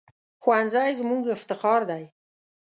ښوونځی زموږ افتخار دی